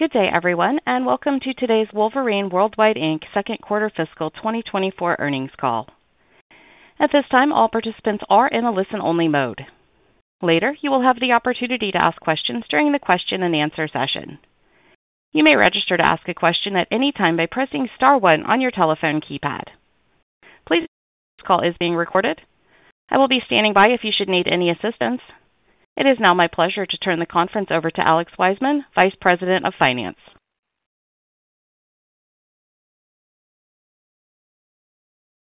Good day, everyone, and welcome to today's Wolverine Worldwide Inc second quarter fiscal 2024 earnings call. At this time, all participants are in a listen-only mode. Later, you will have the opportunity to ask questions during the question and answer session. You may register to ask a question at any time by pressing star one on your telephone keypad. Please, this call is being recorded. I will be standing by if you should need any assistance. It is now my pleasure to turn the conference over to Alex Wiseman, Vice President of Finance.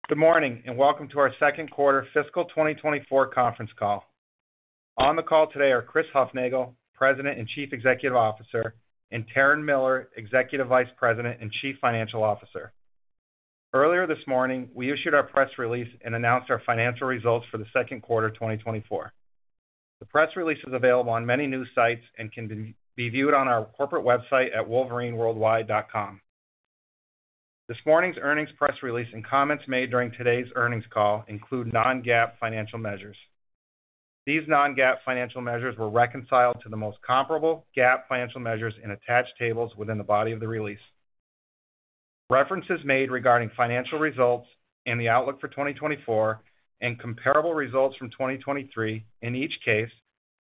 Good morning, and welcome to our second quarter fiscal 2024 conference call. On the call today are Chris Hufnagel, President and Chief Executive Officer, and Taryn Miller, Executive Vice President and Chief Financial Officer. Earlier this morning, we issued our press release and announced our financial results for the second quarter, 2024. The press release is available on many news sites and can be viewed on our corporate website at wolverineworldwide.com. This morning's earnings press release and comments made during today's earnings call include non-GAAP financial measures. These non-GAAP financial measures were reconciled to the most comparable GAAP financial measures in attached tables within the body of the release. References made regarding financial results and the outlook for 2024 and comparable results from 2023 in each case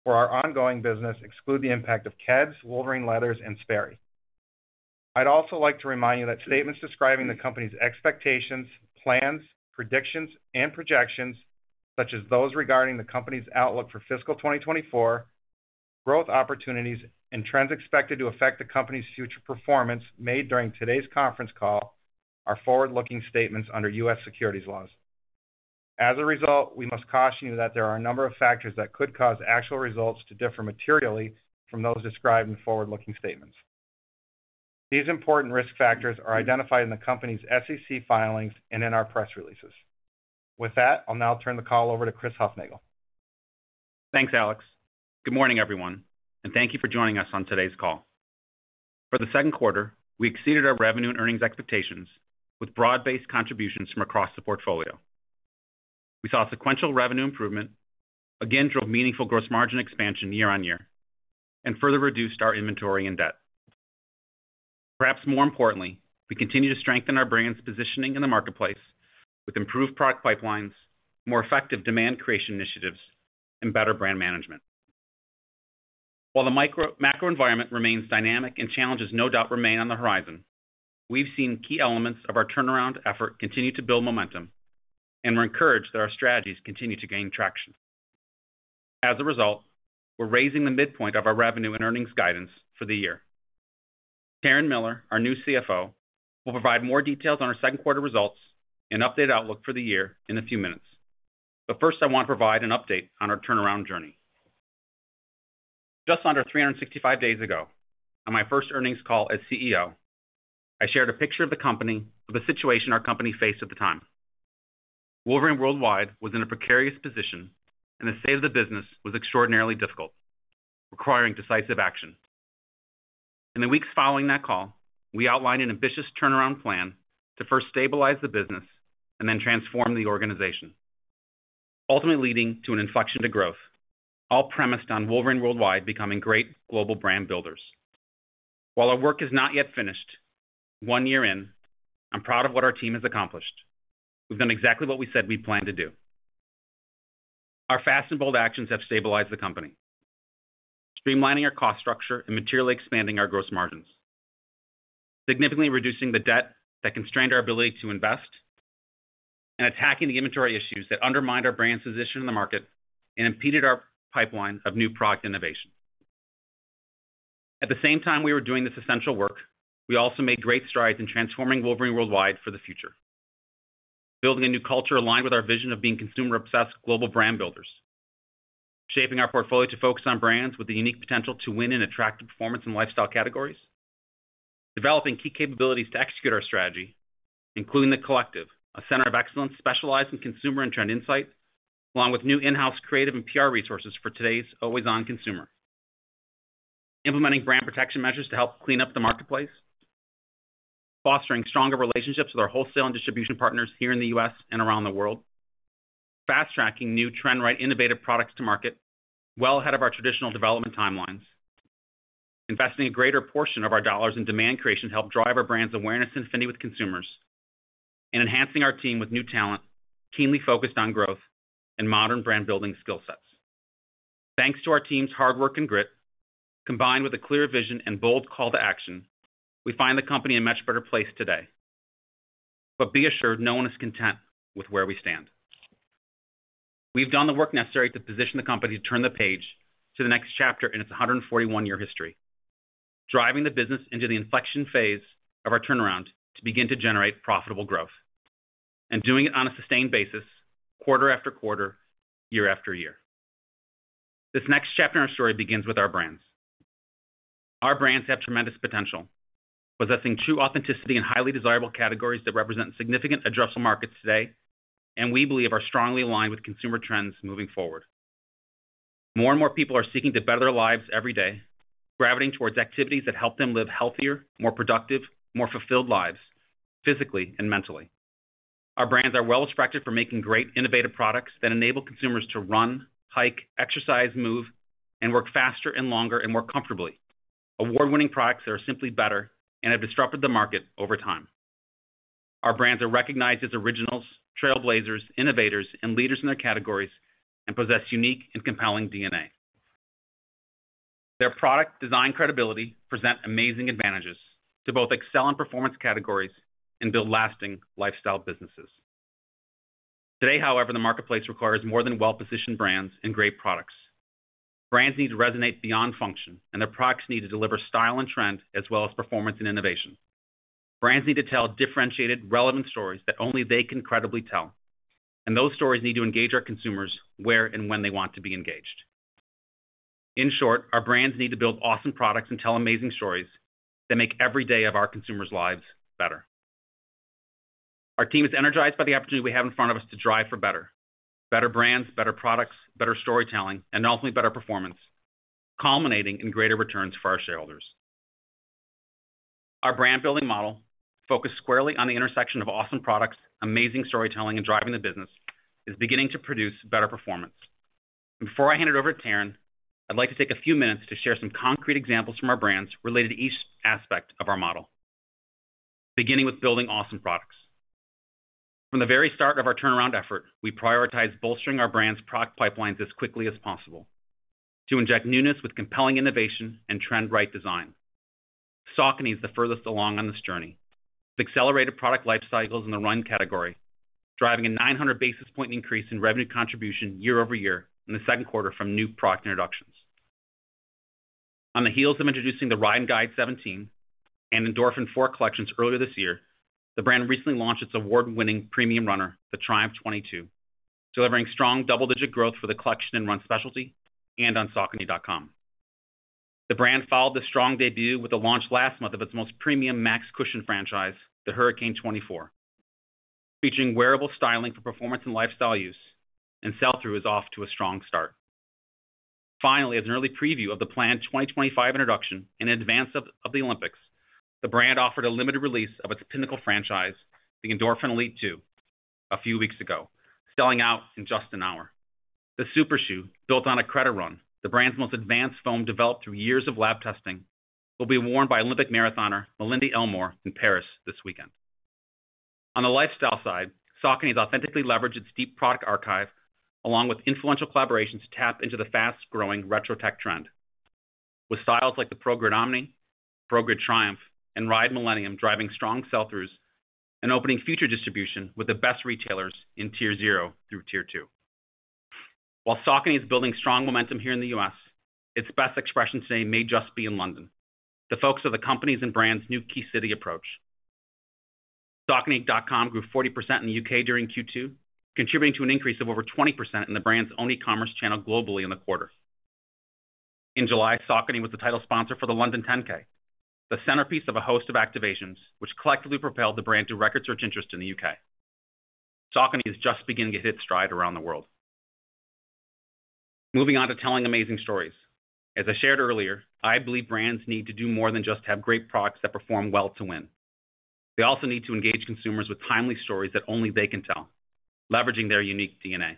for our ongoing business exclude the impact of Keds, Wolverine Leathers, and Sperry. I'd also like to remind you that statements describing the company's expectations, plans, predictions, and projections, such as those regarding the company's outlook for fiscal 2024, growth opportunities, and trends expected to affect the company's future performance made during today's conference call, are forward-looking statements under U.S. securities laws. As a result, we must caution you that there are a number of factors that could cause actual results to differ materially from those described in the forward-looking statements. These important risk factors are identified in the company's SEC filings and in our press releases. With that, I'll now turn the call over to Chris Hufnagel. Thanks, Alex. Good morning, everyone, and thank you for joining us on today's call. For the second quarter, we exceeded our revenue and earnings expectations with broad-based contributions from across the portfolio. We saw sequential revenue improvement, again, drove meaningful gross margin expansion year-over-year, and further reduced our inventory and debt. Perhaps more importantly, we continue to strengthen our brand's positioning in the marketplace with improved product pipelines, more effective demand creation initiatives, and better brand management. While the macro environment remains dynamic and challenges no doubt remain on the horizon, we've seen key elements of our turnaround effort continue to build momentum, and we're encouraged that our strategies continue to gain traction. As a result, we're raising the midpoint of our revenue and earnings guidance for the year. Taryn Miller, our new CFO, will provide more details on our second quarter results and update outlook for the year in a few minutes. But first, I want to provide an update on our turnaround journey. Just under 365 days ago, on my first earnings call as CEO, I shared a picture of the company with a situation our company faced at the time. Wolverine Worldwide was in a precarious position, and the state of the business was extraordinarily difficult, requiring decisive action. In the weeks following that call, we outlined an ambitious turnaround plan to first stabilize the business and then transform the organization, ultimately leading to an inflection to growth, all premised on Wolverine Worldwide becoming great global brand builders. While our work is not yet finished, one year in, I'm proud of what our team has accomplished. We've done exactly what we said we planned to do. Our fast and bold actions have stabilized the company, streamlining our cost structure and materially expanding our gross margins, significantly reducing the debt that constrained our ability to invest, and attacking the inventory issues that undermined our brand's position in the market and impeded our pipeline of new product innovation. At the same time we were doing this essential work, we also made great strides in transforming Wolverine Worldwide for the future. Building a new culture aligned with our vision of being consumer-obsessed global brand builders. Shaping our portfolio to focus on brands with the unique potential to win in attractive performance and lifestyle categories. Developing key capabilities to execute our strategy, including The Collective, a center of excellence specialized in consumer and trend insight, along with new in-house creative and PR resources for today's always-on consumer. Implementing brand protection measures to help clean up the marketplace. Fostering stronger relationships with our wholesale and distribution partners here in the U.S. and around the world. Fast-tracking new trend-right, innovative products to market well ahead of our traditional development timelines. Investing a greater portion of our dollars in demand creation to help drive our brands' awareness and affinity with consumers, and enhancing our team with new talent, keenly focused on growth and modern brand-building skill sets. Thanks to our team's hard work and grit, combined with a clear vision and bold call to action, we find the company in a much better place today. Be assured, no one is content with where we stand. We've done the work necessary to position the company to turn the page to the next chapter in its 141-year history, driving the business into the inflection phase of our turnaround to begin to generate profitable growth. Doing it on a sustained basis, quarter after quarter, year after year. This next chapter in our story begins with our brands. Our brands have tremendous potential, possessing true authenticity in highly desirable categories that represent significant addressable markets today, and we believe are strongly aligned with consumer trends moving forward. More and more people are seeking to better their lives every day, gravitating towards activities that help them live healthier, more productive, more fulfilled lives, physically and mentally.... Our brands are well respected for making great innovative products that enable consumers to run, hike, exercise, move, and work faster and longer and more comfortably. Award-winning products that are simply better and have disrupted the market over time. Our brands are recognized as originals, trailblazers, innovators, and leaders in their categories, and possess unique and compelling DNA. Their product design credibility present amazing advantages to both excel in performance categories and build lasting lifestyle businesses. Today, however, the marketplace requires more than well-positioned brands and great products. Brands need to resonate beyond function, and their products need to deliver style and trend, as well as performance and innovation. Brands need to tell differentiated, relevant stories that only they can credibly tell, and those stories need to engage our consumers where and when they want to be engaged. In short, our brands need to build awesome products and tell amazing stories that make every day of our consumers' lives better. Our team is energized by the opportunity we have in front of us to drive for better. Better brands, better products, better storytelling, and ultimately, better performance, culminating in greater returns for our shareholders. Our brand-building model, focused squarely on the intersection of awesome products, amazing storytelling, and driving the business, is beginning to produce better performance. Before I hand it over to Taryn, I'd like to take a few minutes to share some concrete examples from our brands related to each aspect of our model, beginning with building awesome products. From the very start of our turnaround effort, we prioritized bolstering our brand's product pipelines as quickly as possible to inject newness with compelling innovation and trend-right design. Saucony is the furthest along on this journey. It's accelerated product life cycles in the run category, driving a 900 basis point increase in revenue contribution year-over-year in the second quarter from new product introductions. On the heels of introducing the Ride and Guide 17, and Endorphin 4 collections earlier this year, the brand recently launched its award-winning premium runner, the Triumph 22, delivering strong double-digit growth for the collection and run specialty and on saucony.com. The brand followed the strong debut with the launch last month of its most premium max cushion franchise, the Hurricane 24, featuring wearable styling for performance and lifestyle use, and sell-through is off to a strong start. Finally, as an early preview of the planned 2025 introduction in advance of the Olympics, the brand offered a limited release of its Pinnacle franchise, the Endorphin Elite 2, a few weeks ago, selling out in just an hour. The Super Shoe, built on IncrediRUN, the brand's most advanced foam, developed through years of lab testing, will be worn by Olympic marathoner Malindi Elmore in Paris this weekend. On the lifestyle side, Saucony has authentically leveraged its deep product archive, along with influential collaborations, to tap into the fast-growing Retro Tech trend. With styles like the ProGrid Omni, ProGrid Triumph, and Ride Millennium driving strong sell-throughs and opening future distribution with the best retailers in Tier Zero through Tier Two. While Saucony is building strong momentum here in the U.S., its best expression today may just be in London. The focus of the companies and brands' new key city approach. Saucony.com grew 40% in the U.K. during Q2, contributing to an increase of over 20% in the brand's e-commerce channel globally in the quarter. In July, Saucony was the title sponsor for the London 10K, the centerpiece of a host of activations, which collectively propelled the brand to record search interest in the UK. Saucony is just beginning to hit stride around the world. Moving on to telling amazing stories. As I shared earlier, I believe brands need to do more than just have great products that perform well to win. They also need to engage consumers with timely stories that only they can tell, leveraging their unique DNA.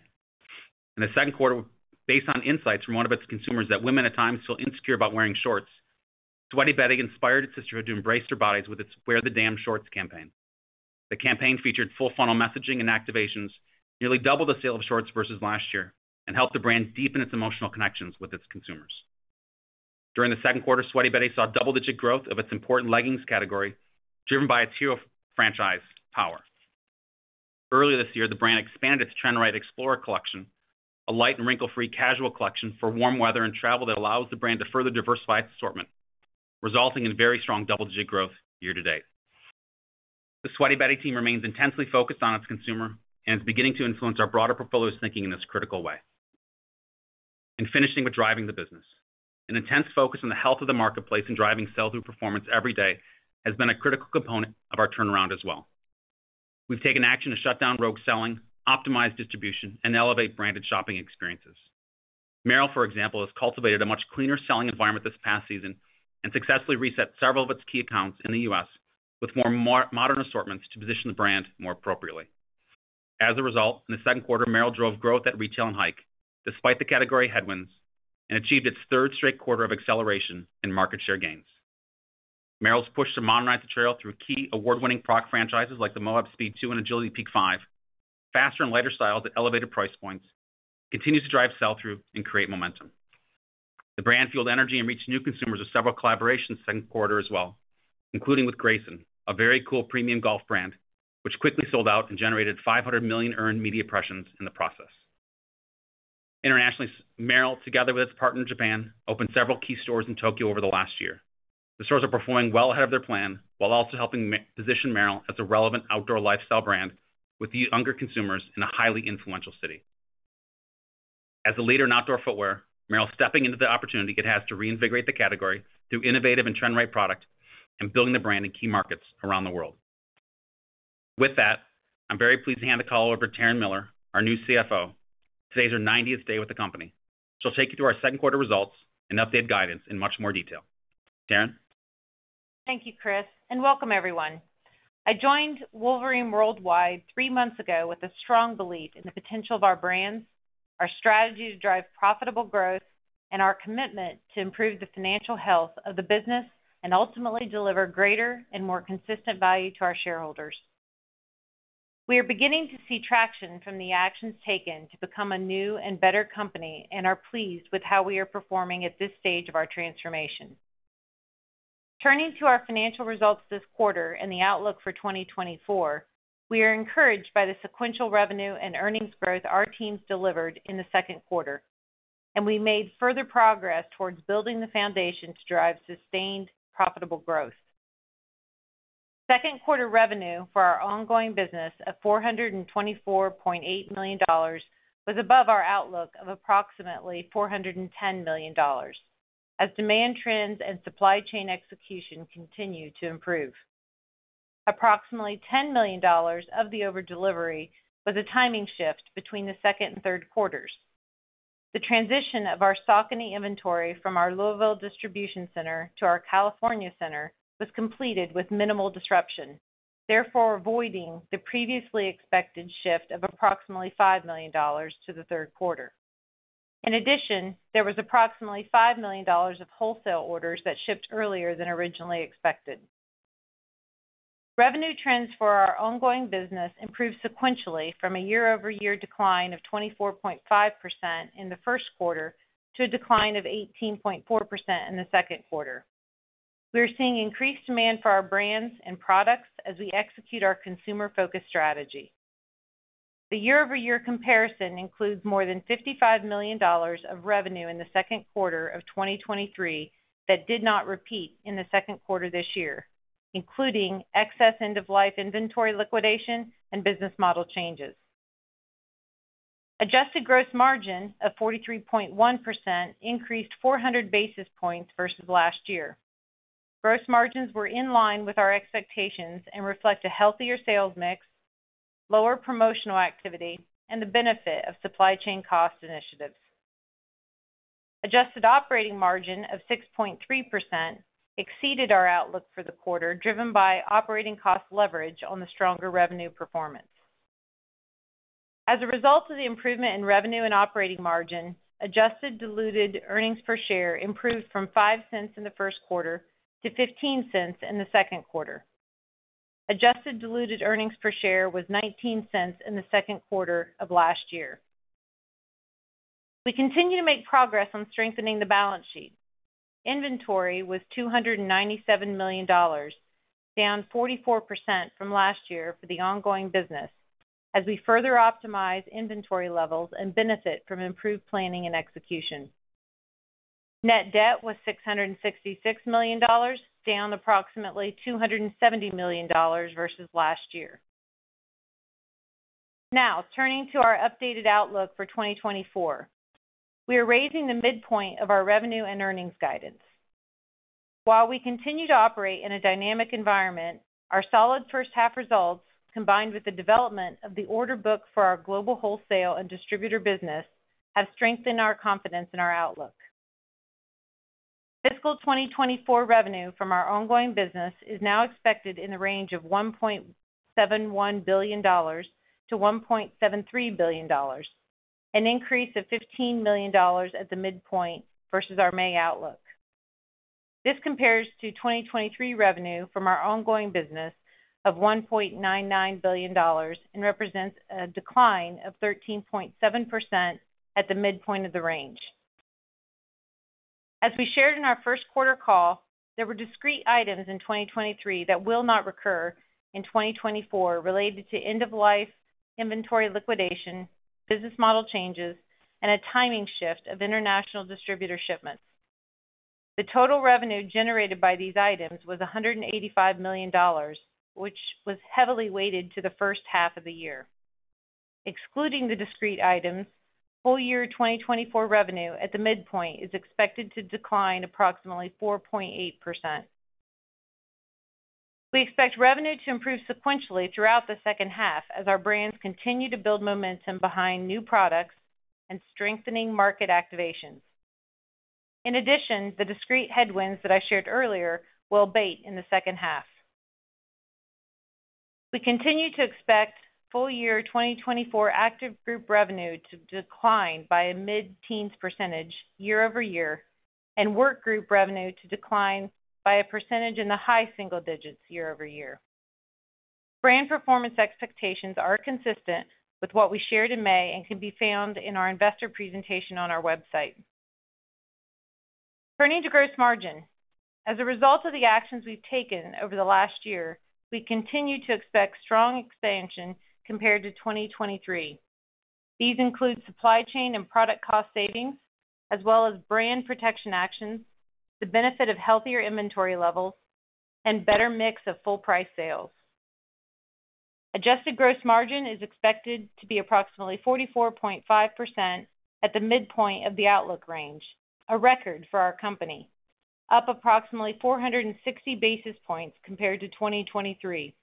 In the second quarter, based on insights from one of its consumers that women at times feel insecure about wearing shorts, Sweaty Betty inspired its sisterhood to embrace their bodies with its Wear the Damn Shorts campaign. The campaign featured full funnel messaging and activations, nearly double the sale of shorts versus last year, and helped the brand deepen its emotional connections with its consumers. During the second quarter, Sweaty Betty saw double-digit growth of its important leggings category, driven by its franchise power. Earlier this year, the brand expanded its trend-right Explorer collection, a light and wrinkle-free casual collection for warm weather and travel that allows the brand to further diversify its assortment, resulting in very strong double-digit growth year to date. The Sweaty Betty team remains intensely focused on its consumer and is beginning to influence our broader portfolio's thinking in this critical way. Finishing with driving the business. An intense focus on the health of the marketplace and driving sell-through performance every day has been a critical component of our turnaround as well. We've taken action to shut down rogue selling, optimize distribution, and elevate branded shopping experiences. Merrell, for example, has cultivated a much cleaner selling environment this past season and successfully reset several of its key accounts in the U.S. with more modern assortments to position the brand more appropriately. As a result, in the second quarter, Merrell drove growth at retail and hike, despite the category headwinds, and achieved its third straight quarter of acceleration in market share gains. Merrell's push to modernize the trail through key award-winning product franchises like the Moab Speed 2 and Agility Peak 5, faster and lighter styles at elevated price points, continues to drive sell-through and create momentum. The brand fueled energy and reached new consumers with several collaborations second quarter as well, including with Greyson, a very cool premium golf brand, which quickly sold out and generated 500 million earned media impressions in the process. Internationally, Merrell, together with its partner in Japan, opened several key stores in Tokyo over the last year. The stores are performing well ahead of their plan, while also helping position Merrell as a relevant outdoor lifestyle brand with the younger consumers in a highly influential city. As a leader in outdoor footwear, Merrell is stepping into the opportunity it has to reinvigorate the category through innovative and trend-right product and building the brand in key markets around the world. With that, I'm very pleased to hand the call over to Taryn Miller, our new CFO. Today is her ninetieth day with the company. She'll take you through our second quarter results and update guidance in much more detail. Taryn? Thank you, Chris, and welcome everyone. I joined Wolverine Worldwide three months ago with a strong belief in the potential of our brands, our strategy to drive profitable growth, and our commitment to improve the financial health of the business and ultimately deliver greater and more consistent value to our shareholders. We are beginning to see traction from the actions taken to become a new and better company, and are pleased with how we are performing at this stage of our transformation. Turning to our financial results this quarter and the outlook for 2024, we are encouraged by the sequential revenue and earnings growth our teams delivered in the second quarter, and we made further progress towards building the foundation to drive sustained, profitable growth. Second quarter revenue for our ongoing business of $424.8 million was above our outlook of approximately $410 million, as demand trends and supply chain execution continued to improve. Approximately $10 million of the over-delivery was a timing shift between the second and third quarters. The transition of our Saucony inventory from our Louisville distribution center to our California center was completed with minimal disruption, therefore avoiding the previously expected shift of approximately $5 million to the third quarter. In addition, there was approximately $5 million of wholesale orders that shipped earlier than originally expected. Revenue trends for our ongoing business improved sequentially from a year-over-year decline of 24.5% in the first quarter to a decline of 18.4% in the second quarter. We are seeing increased demand for our brands and products as we execute our consumer-focused strategy. The year-over-year comparison includes more than $55 million of revenue in the second quarter of 2023 that did not repeat in the second quarter this year, including excess end-of-life inventory liquidation and business model changes. Adjusted gross margin of 43.1% increased 400 basis points versus last year. Gross margins were in line with our expectations and reflect a healthier sales mix, lower promotional activity, and the benefit of supply chain cost initiatives. Adjusted operating margin of 6.3% exceeded our outlook for the quarter, driven by operating cost leverage on the stronger revenue performance. As a result of the improvement in revenue and operating margin, adjusted diluted earnings per share improved from $0.05 in the first quarter to $0.15 in the second quarter. Adjusted Diluted Earnings Per Share was $0.19 in the second quarter of last year. We continue to make progress on strengthening the balance sheet. Inventory was $297 million, down 44% from last year for the ongoing business, as we further optimize inventory levels and benefit from improved planning and execution. Net debt was $666 million, down approximately $270 million versus last year. Now, turning to our updated outlook for 2024. We are raising the midpoint of our revenue and earnings guidance. While we continue to operate in a dynamic environment, our solid first half results, combined with the development of the order book for our global wholesale and distributor business, have strengthened our confidence in our outlook. Fiscal 2024 revenue from our ongoing business is now expected in the range of $1.71 billion-$1.73 billion, an increase of $15 million at the midpoint versus our May outlook. This compares to 2023 revenue from our ongoing business of $1.99 billion and represents a decline of 13.7% at the midpoint of the range. As we shared in our first quarter call, there were discrete items in 2023 that will not recur in 2024 related to end-of-life inventory liquidation, business model changes, and a timing shift of international distributor shipments. The total revenue generated by these items was $185 million, which was heavily weighted to the first half of the year. Excluding the discrete items, full year 2024 revenue at the midpoint is expected to decline approximately 4.8%. We expect revenue to improve sequentially throughout the second half as our brands continue to build momentum behind new products and strengthening market activations. In addition, the discrete headwinds that I shared earlier will abate in the second half. We continue to expect full year 2024 Active Group revenue to decline by a mid-teens % year-over-year, and Work Group revenue to decline by a percentage in the high single digits year-over-year. Brand performance expectations are consistent with what we shared in May and can be found in our investor presentation on our website. Turning to gross margin. As a result of the actions we've taken over the last year, we continue to expect strong expansion compared to 2023. These include supply chain and product cost savings, as well as brand protection actions, the benefit of healthier inventory levels, and better mix of full price sales. Adjusted gross margin is expected to be approximately 44.5% at the midpoint of the outlook range, a record for our company, up approximately 460 basis points compared to 2023.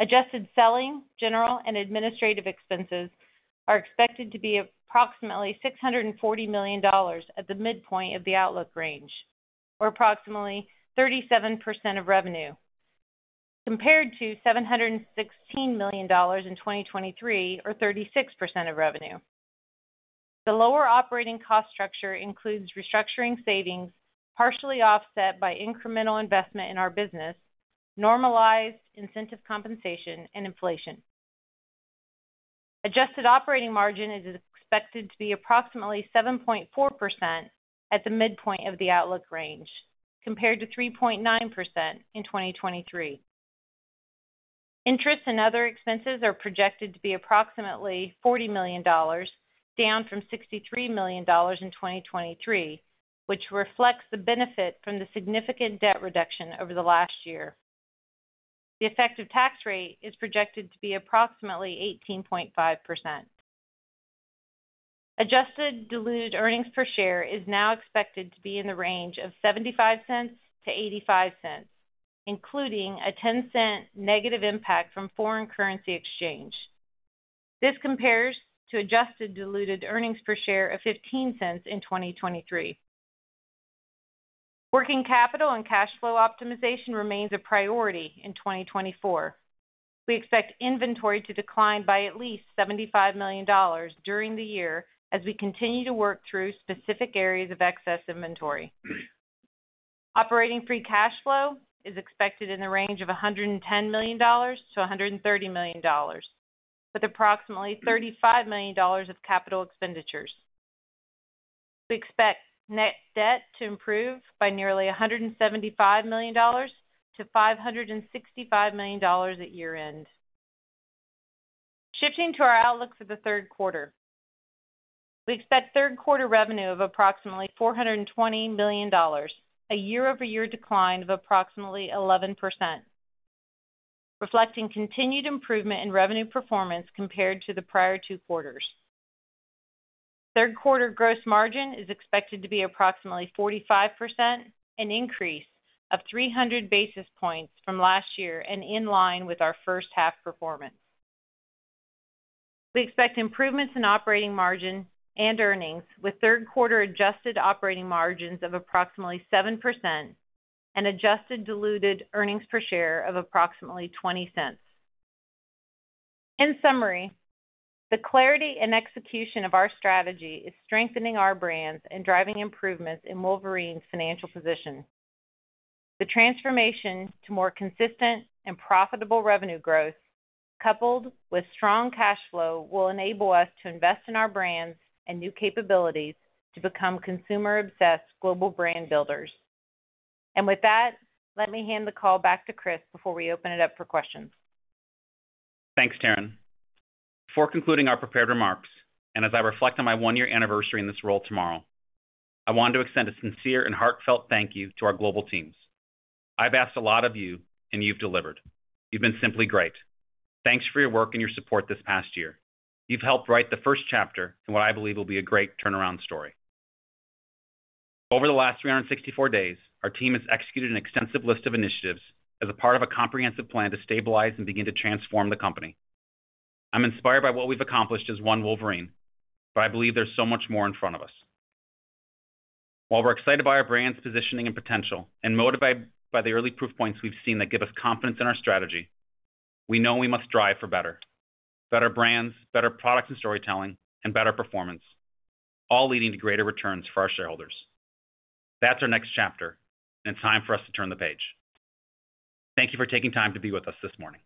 Adjusted selling, general, and administrative expenses are expected to be approximately $640 million at the midpoint of the outlook range, or approximately 37% of revenue, compared to $716 million in 2023, or 36% of revenue. The lower operating cost structure includes restructuring savings, partially offset by incremental investment in our business, normalized incentive compensation, and inflation. Adjusted operating margin is expected to be approximately 7.4% at the midpoint of the outlook range, compared to 3.9% in 2023. Interest and other expenses are projected to be approximately $40 million, down from $63 million in 2023, which reflects the benefit from the significant debt reduction over the last year. The effective tax rate is projected to be approximately 18.5%. Adjusted diluted earnings per share is now expected to be in the range of $0.75-$0.85, including a $0.10 negative impact from foreign currency exchange. This compares to adjusted diluted earnings per share of $0.15 in 2023. Working capital and cash flow optimization remains a priority in 2024. We expect inventory to decline by at least $75 million during the year as we continue to work through specific areas of excess inventory. Operating free cash flow is expected in the range of $110 million-$130 million, with approximately $35 million of capital expenditures. We expect net debt to improve by nearly $175 million-$565 million at year-end. Shifting to our outlook for the third quarter. We expect third quarter revenue of approximately $420 million, a year-over-year decline of approximately 11%, reflecting continued improvement in revenue performance compared to the prior two quarters. Third quarter gross margin is expected to be approximately 45%, an increase of 300 basis points from last year and in line with our first half performance. We expect improvements in operating margin and earnings, with third quarter adjusted operating margins of approximately 7% and adjusted diluted earnings per share of approximately $0.20. In summary, the clarity and execution of our strategy is strengthening our brands and driving improvements in Wolverine's financial position. The transformation to more consistent and profitable revenue growth, coupled with strong cash flow, will enable us to invest in our brands and new capabilities to become consumer-obsessed global brand builders. With that, let me hand the call back to Chris before we open it up for questions. Thanks, Taryn. Before concluding our prepared remarks, and as I reflect on my one-year anniversary in this role tomorrow, I want to extend a sincere and heartfelt thank you to our global teams. I've asked a lot of you, and you've delivered. You've been simply great. Thanks for your work and your support this past year. You've helped write the first chapter in what I believe will be a great turnaround story. Over the last 364 days, our team has executed an extensive list of initiatives as a part of a comprehensive plan to stabilize and begin to transform the company. I'm inspired by what we've accomplished as one Wolverine, but I believe there's so much more in front of us. While we're excited by our brand's positioning and potential, and motivated by the early proof points we've seen that give us confidence in our strategy, we know we must strive for better. Better brands, better products and storytelling, and better performance, all leading to greater returns for our shareholders. That's our next chapter, and it's time for us to turn the page. Thank you for taking time to be with us this morning.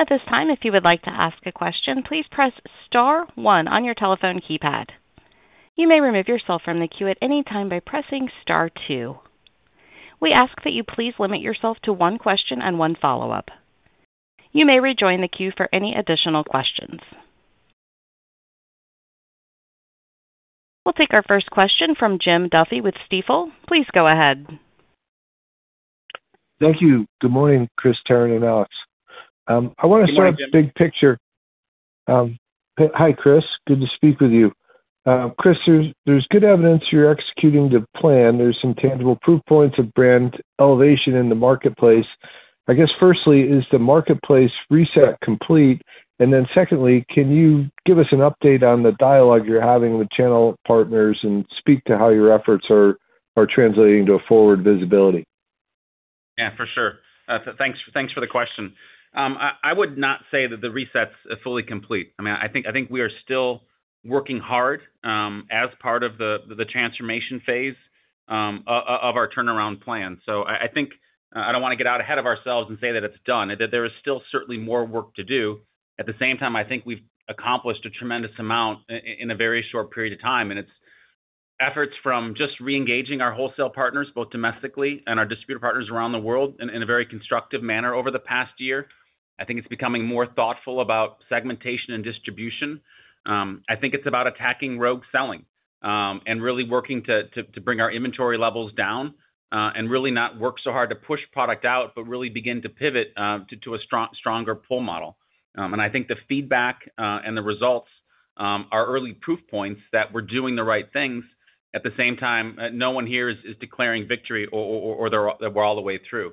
At this time, if you would like to ask a question, please press star one on your telephone keypad. You may remove yourself from the queue at any time by pressing star two. We ask that you please limit yourself to one question and one follow-up. You may rejoin the queue for any additional questions. We'll take our first question from Jim Duffy with Stifel. Please go ahead. Thank you. Good morning, Chris, Taryn, and Alex. Good morning, Jim. I wanna start big picture. Hi, Chris. Good to speak with you. Chris, there's good evidence you're executing the plan. There's some tangible proof points of brand elevation in the marketplace. I guess, firstly, is the marketplace reset complete? And then secondly, can you give us an update on the dialogue you're having with channel partners and speak to how your efforts are translating to a forward visibility? Yeah, for sure. Thanks, thanks for the question. I would not say that the reset's fully complete. I mean, I think we are still working hard as part of the transformation phase of our turnaround plan. So I think I don't wanna get out ahead of ourselves and say that it's done, that there is still certainly more work to do. At the same time, I think we've accomplished a tremendous amount in a very short period of time, and it's efforts from just reengaging our wholesale partners, both domestically and our distributor partners around the world, in a very constructive manner over the past year. I think it's becoming more thoughtful about segmentation and distribution. I think it's about attacking rogue selling, and really working to bring our inventory levels down, and really not work so hard to push product out, but really begin to pivot to a stronger pull model. And I think the feedback and the results... our early proof points that we're doing the right things. At the same time, no one here is declaring victory or they're-- that we're all the way through.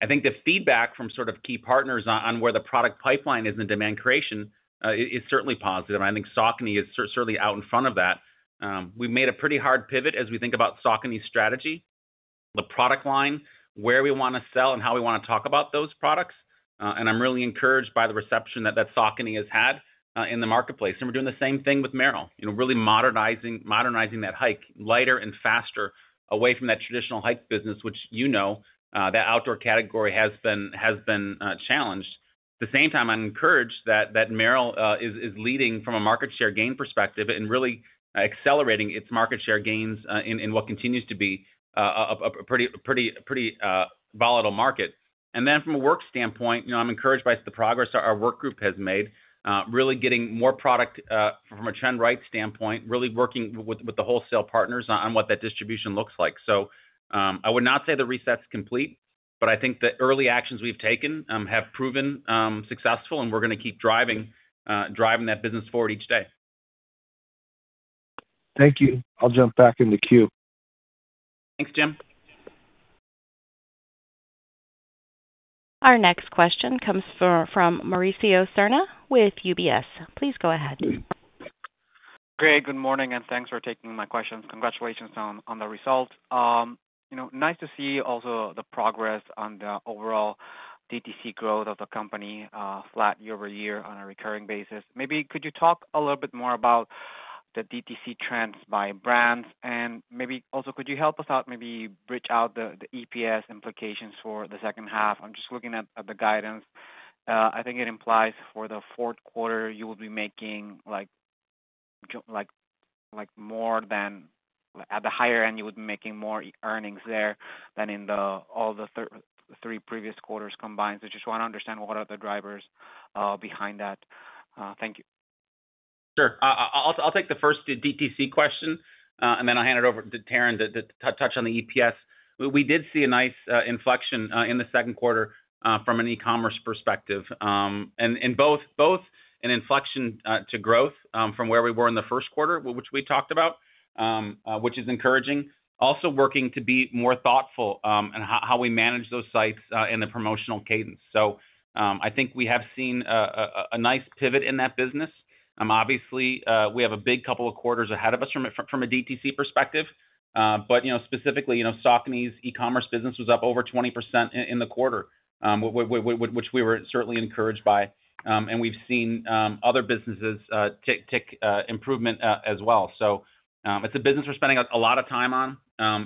I think the feedback from sort of key partners on where the product pipeline is in demand creation is certainly positive, and I think Saucony is certainly out in front of that. We've made a pretty hard pivot as we think about Saucony's strategy, the product line, where we wanna sell, and how we wanna talk about those products. I'm really encouraged by the reception that Saucony has had in the marketplace, and we're doing the same thing with Merrell. You know, really modernizing that hike, lighter and faster away from that traditional hike business, which you know that outdoor category has been challenged. At the same time, I'm encouraged that Merrell is leading from a market share gain perspective and really accelerating its market share gains in what continues to be a pretty volatile market. And then from a work standpoint, you know, I'm encouraged by the progress our work group has made, really getting more product from a trend right standpoint, really working with the wholesale partners on what that distribution looks like. So, I would not say the reset's complete, but I think the early actions we've taken have proven successful, and we're gonna keep driving that business forward each day. Thank you. I'll jump back in the queue. Thanks, Jim. Our next question comes from Mauricio Serna with UBS. Please go ahead. Great. Good morning, and thanks for taking my questions. Congratulations on the results. You know, nice to see also the progress on the overall DTC growth of the company, flat year-over-year on a recurring basis. Maybe could you talk a little bit more about the DTC trends by brands? And maybe also, could you help us out, maybe bridge out the EPS implications for the second half? I'm just looking at the guidance. I think it implies for the fourth quarter, you will be making like more than... At the higher end, you would be making more earnings there than in all the three previous quarters combined. So just wanna understand what are the drivers behind that. Thank you. Sure. I'll take the first DTC question, and then I'll hand it over to Taryn to touch on the EPS. We did see a nice inflection in the second quarter from an e-commerce perspective. And both an inflection to growth from where we were in the first quarter, which we talked about, which is encouraging. Also, working to be more thoughtful in how we manage those sites in the promotional cadence. So, I think we have seen a nice pivot in that business. Obviously, we have a big couple of quarters ahead of us from a DTC perspective, but you know, specifically, you know, Saucony's e-commerce business was up over 20% in the quarter, which we were certainly encouraged by. And we've seen other businesses take improvement as well. So, it's a business we're spending a lot of time on.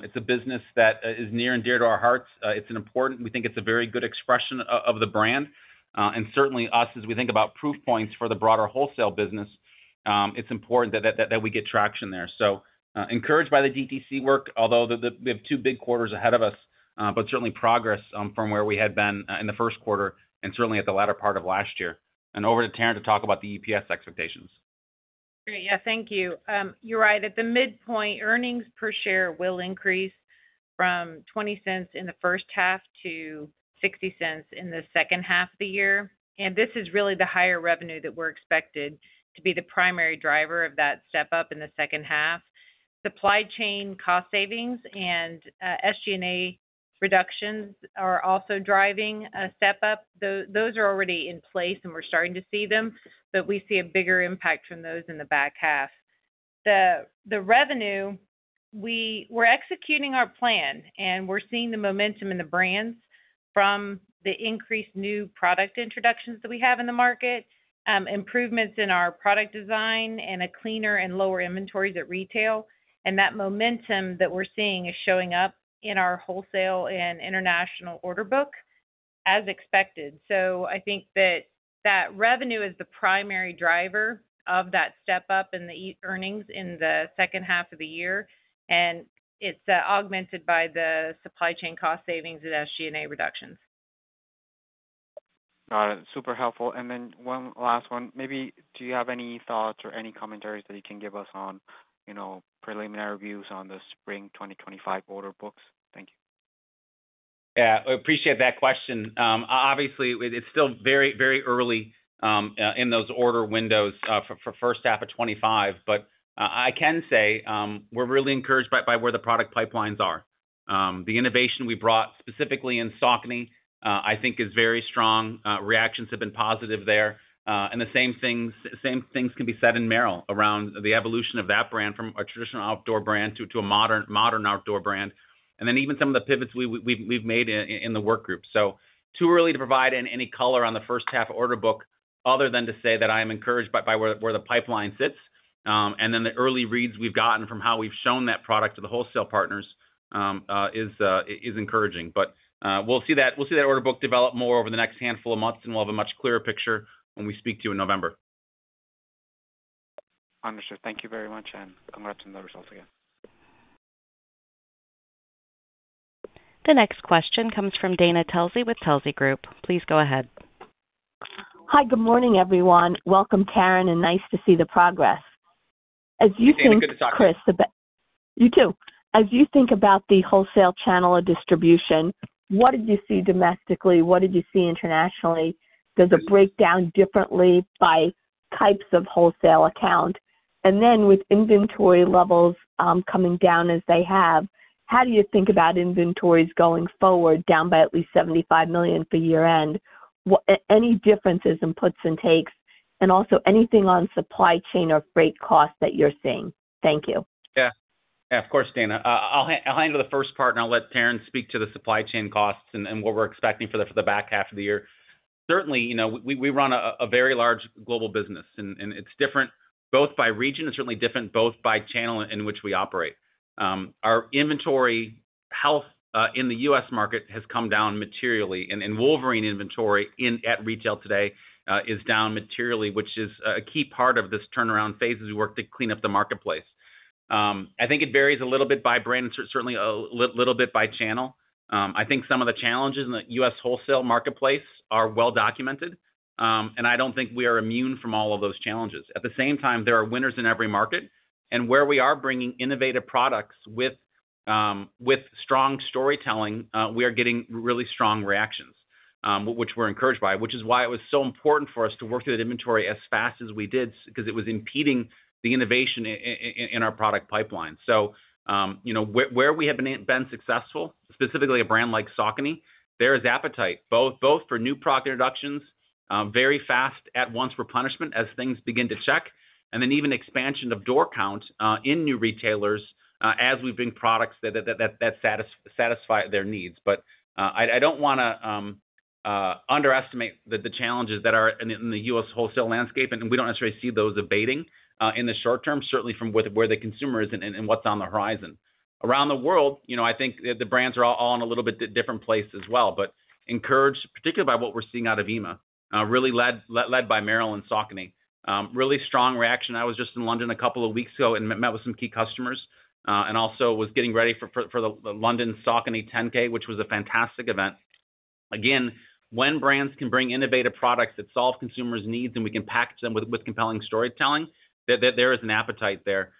It's a business that is near and dear to our hearts. It's an important... We think it's a very good expression of the brand. And certainly us, as we think about proof points for the broader wholesale business, it's important that we get traction there. So, encouraged by the DTC work, although we have two big quarters ahead of us, but certainly progress from where we had been in the first quarter and certainly at the latter part of last year. Over to Taryn to talk about the EPS expectations. Great. Yeah, thank you. You're right. At the midpoint, earnings per share will increase from $0.20 in the first half to $0.60 in the second half of the year, and this is really the higher revenue that we're expected to be the primary driver of that step up in the second half. Supply chain cost savings and SG&A reductions are also driving a step up. Those are already in place, and we're starting to see them, but we see a bigger impact from those in the back half. The revenue, we're executing our plan, and we're seeing the momentum in the brands from the increased new product introductions that we have in the market, improvements in our product design, and a cleaner and lower inventories at retail. That momentum that we're seeing is showing up in our wholesale and international order book, as expected. So I think that revenue is the primary driver of that step up in the earnings in the second half of the year, and it's augmented by the supply chain cost savings and SG&A reductions. Got it. Super helpful. And then one last one. Maybe do you have any thoughts or any commentaries that you can give us on, you know, preliminary views on the Spring 2025 order books? Thank you. Yeah, I appreciate that question. Obviously, it's still very, very early in those order windows for first half of 2025. But I can say we're really encouraged by where the product pipelines are. The innovation we brought, specifically in Saucony, I think is very strong. Reactions have been positive there. And the same things can be said in Merrell around the evolution of that brand from a traditional outdoor brand to a modern outdoor brand. And then even some of the pivots we've made in the work group. So too early to provide any color on the first half order book, other than to say that I am encouraged by where the pipeline sits. And then the early reads we've gotten from how we've shown that product to the wholesale partners is encouraging. But we'll see that order book develop more over the next handful of months, and we'll have a much clearer picture when we speak to you in November. Understood. Thank you very much, and congrats on the results again. The next question comes from Dana Telsey with Telsey Advisory Group. Please go ahead. Hi, good morning, everyone. Welcome, Taryn, and nice to see the progress.... As you think, Chris- Good to talk. You, too. As you think about the wholesale channel of distribution, what did you see domestically? What did you see internationally? Does it break down differently by types of wholesale account? And then with inventory levels, coming down as they have, how do you think about inventories going forward, down by at least $75 million for year-end? Any differences in puts and takes, and also anything on supply chain or freight costs that you're seeing? Thank you. Yeah. Yeah, of course, Dana. I'll handle the first part, and I'll let Taryn speak to the supply chain costs and what we're expecting for the back half of the year. Certainly, you know, we run a very large global business, and it's different both by region and certainly different both by channel in which we operate. Our inventory health in the U.S. market has come down materially, and Wolverine inventory at retail today is down materially, which is a key part of this turnaround phase as we work to clean up the marketplace. I think it varies a little bit by brand and certainly a little bit by channel. I think some of the challenges in the U.S. wholesale marketplace are well documented, and I don't think we are immune from all of those challenges. At the same time, there are winners in every market, and where we are bringing innovative products with, with strong storytelling, we are getting really strong reactions, which we're encouraged by. Which is why it was so important for us to work through that inventory as fast as we did, because it was impeding the innovation in our product pipeline. So, you know, where we have been successful, specifically a brand like Saucony, there is appetite, both for new product introductions, very fast at once replenishment as things begin to check, and then even expansion of door count in new retailers, as we bring products that satisfy their needs. But I don't wanna underestimate the challenges that are in the U.S. wholesale landscape, and we don't necessarily see those abating in the short term, certainly from where the consumer is and what's on the horizon. Around the world, you know, I think the brands are all in a little bit different place as well, but encouraged, particularly by what we're seeing out of EMEA, really led by Merrell and Saucony. Really strong reaction. I was just in London a couple of weeks ago and met with some key customers, and also was getting ready for the London Saucony 10K, which was a fantastic event. Again, when brands can bring innovative products that solve consumers' needs, and we can package them with compelling storytelling, there is an appetite there,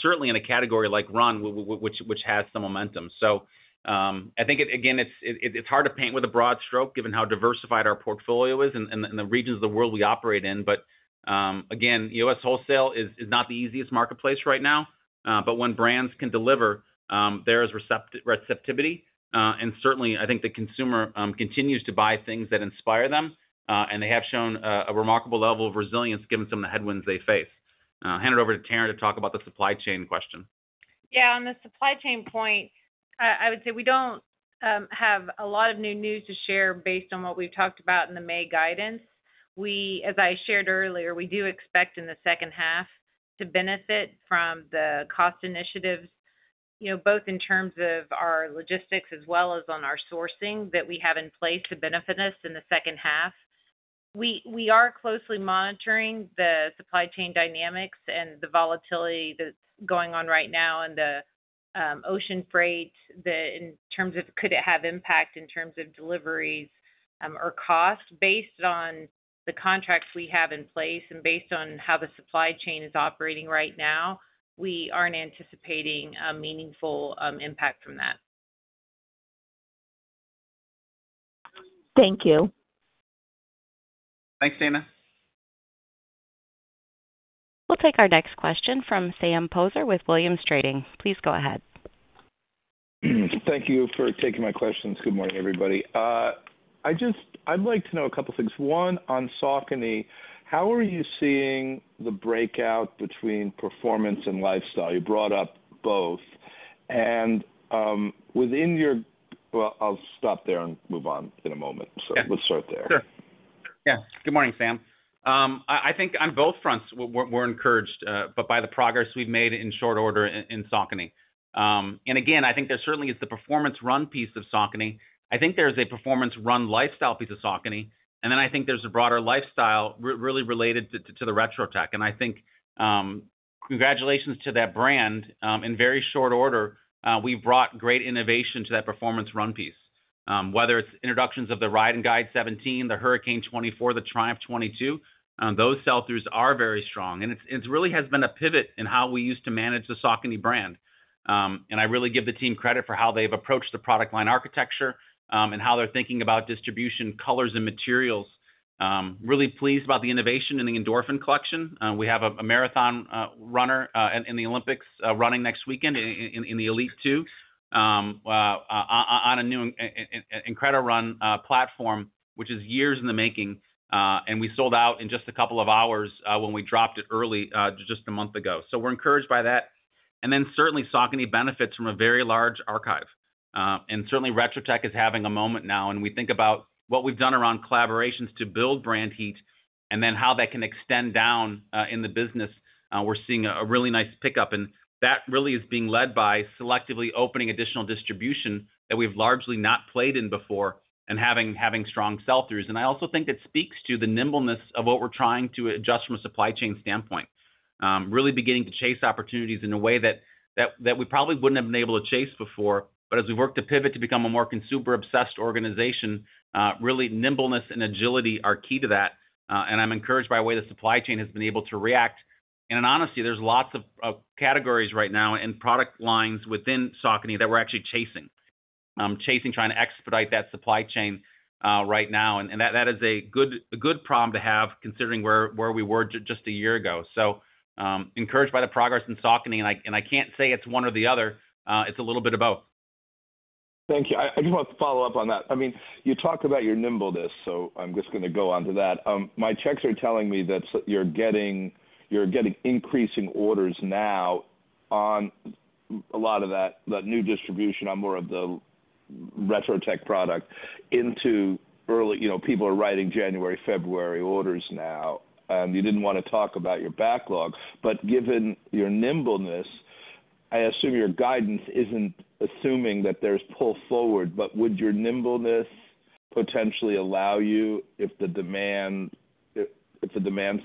certainly in a category like run, which has some momentum. So, I think, again, it's hard to paint with a broad stroke given how diversified our portfolio is and the regions of the world we operate in. But, again, U.S. wholesale is not the easiest marketplace right now, but when brands can deliver, there is receptivity. And certainly, I think the consumer continues to buy things that inspire them, and they have shown a remarkable level of resilience given some of the headwinds they face. Hand it over to Taryn to talk about the supply chain question. Yeah, on the supply chain point, I would say we don't have a lot of new news to share based on what we've talked about in the May guidance. We—as I shared earlier, we do expect in the second half to benefit from the cost initiatives, you know, both in terms of our logistics as well as on our sourcing that we have in place to benefit us in the second half. We, we are closely monitoring the supply chain dynamics and the volatility that's going on right now in the ocean freight, in terms of could it have impact in terms of deliveries, or cost. Based on the contracts we have in place and based on how the supply chain is operating right now, we aren't anticipating a meaningful impact from that. Thank you. Thanks, Dana. We'll take our next question from Sam Poser with Williams Trading. Please go ahead. Thank you for taking my questions. Good morning, everybody. I'd like to know a couple things. One, on Saucony, how are you seeing the breakout between performance and lifestyle? You brought up both. Within your... Well, I'll stop there and move on in a moment. Yeah. Let's start there. Sure. Yeah. Good morning, Sam. I think on both fronts, we're encouraged by the progress we've made in short order in Saucony. And again, I think there certainly is the performance run piece of Saucony. I think there is a performance run lifestyle piece of Saucony, and then I think there's a broader lifestyle really related to the retro tech. And I think, congratulations to that brand. In very short order, we brought great innovation to that performance run piece. Whether it's introductions of the Ride and Guide 17, the Hurricane 24, the Triumph 22, those sell-throughs are very strong, and it's really has been a pivot in how we used to manage the Saucony brand. I really give the team credit for how they've approached the product line architecture, and how they're thinking about distribution, colors, and materials. Really pleased about the innovation in the Endorphin collection. We have a marathon runner in the Olympics running next weekend in the Elite 2 on a new IncrediRUN platform, which is years in the making, and we sold out in just a couple of hours when we dropped it early just a month ago. So we're encouraged by that. And then certainly, Saucony benefits from a very large archive. And certainly Retro Tech is having a moment now, and we think about what we've done around collaborations to build brand heat, and then how that can extend down in the business. We're seeing a really nice pickup, and that really is being led by selectively opening additional distribution that we've largely not played in before and having strong sell-throughs. I also think it speaks to the nimbleness of what we're trying to adjust from a supply chain standpoint. Really beginning to chase opportunities in a way that we probably wouldn't have been able to chase before. But as we work to pivot to become a more consumer-obsessed organization, really nimbleness and agility are key to that, and I'm encouraged by the way the supply chain has been able to react. In honesty, there's lots of categories right now and product lines within Saucony that we're actually chasing.... Chasing, trying to expedite that supply chain, right now, and that is a good problem to have, considering where we were just a year ago. So, encouraged by the progress in Saucony, and I can't say it's one or the other, it's a little bit of both. Thank you. I, I do want to follow up on that. I mean, you talked about your nimbleness, so I'm just gonna go on to that. My checks are telling me that you're getting, you're getting increasing orders now on a lot of that, that new distribution on more of the Retro Tech product into early... You know, people are writing January, February orders now. You didn't wanna talk about your backlog, but given your nimbleness, I assume your guidance isn't assuming that there's pull forward. But would your nimbleness potentially allow you, if the demand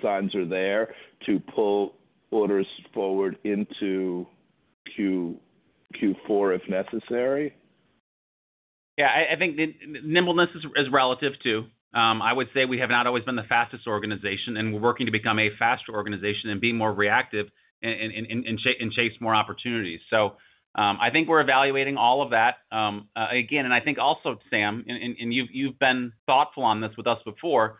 signs are there, to pull orders forward into Q4, if necessary? Yeah, I think the nimbleness is relative, too. I would say we have not always been the fastest organization, and we're working to become a faster organization and be more reactive and chase more opportunities. So, I think we're evaluating all of that. Again, I think also, Sam, you've been thoughtful on this with us before,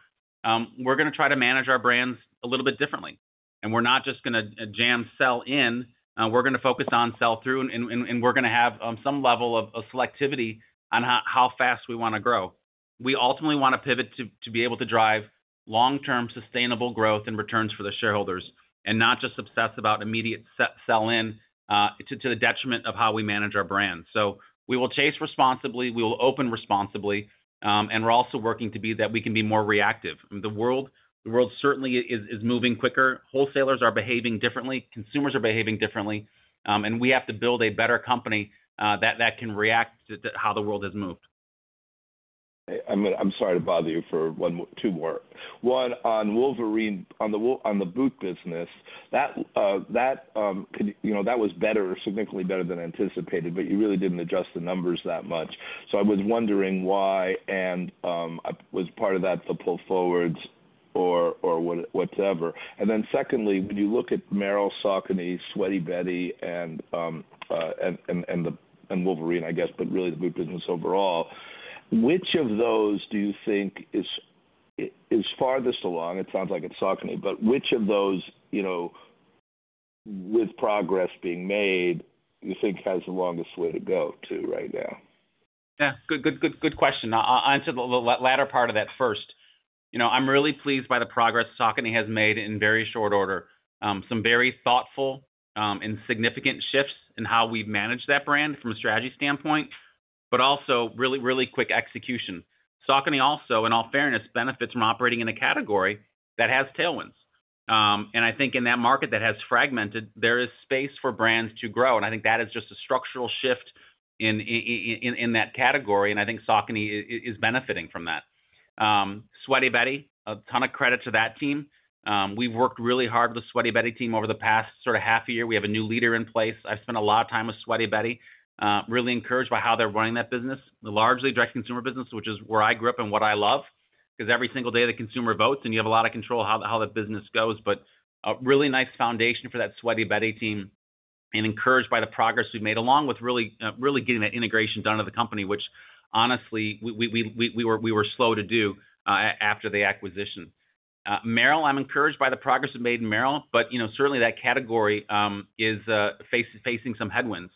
we're gonna try to manage our brands a little bit differently. And we're not just gonna jam sell in. We're gonna focus on sell-through, and we're gonna have some level of selectivity on how fast we wanna grow. We ultimately wanna pivot to be able to drive long-term, sustainable growth and returns for the shareholders, and not just obsess about immediate sell-in to the detriment of how we manage our brand. So we will chase responsibly, we will open responsibly, and we're also working to be that we can be more reactive. The world certainly is moving quicker. Wholesalers are behaving differently, consumers are behaving differently, and we have to build a better company that can react to how the world has moved. I'm sorry to bother you for one more-two more. One, on Wolverine, on the boot business, that was better, significantly better than anticipated, but you really didn't adjust the numbers that much, so I was wondering why, and was part of that the pull forwards or whatsoever? And then secondly, when you look at Merrell, Saucony, Sweaty Betty, and Wolverine, I guess, but really the boot business overall, which of those do you think is farthest along? It sounds like it's Saucony, but which of those, you know, with progress being made, you think has the longest way to go, too, right now? Yeah. Good, good, good, good question. I'll answer the latter part of that first. You know, I'm really pleased by the progress Saucony has made in very short order. Some very thoughtful, and significant shifts in how we've managed that brand from a strategy standpoint, but also really, really quick execution. Saucony also, in all fairness, benefits from operating in a category that has tailwinds. And I think in that market that has fragmented, there is space for brands to grow, and I think that is just a structural shift in that category, and I think Saucony is benefiting from that. Sweaty Betty, a ton of credit to that team. We've worked really hard with the Sweaty Betty team over the past sort of half a year. We have a new leader in place. I've spent a lot of time with Sweaty Betty. Really encouraged by how they're running that business. Largely direct-to-consumer business, which is where I grew up and what I love. 'Cause every single day, the consumer votes, and you have a lot of control how the, how the business goes. But a really nice foundation for that Sweaty Betty team, and encouraged by the progress we've made, along with really getting that integration done of the company, which honestly, we were slow to do after the acquisition. Merrell, I'm encouraged by the progress we've made in Merrell, but you know, certainly, that category is facing some headwinds.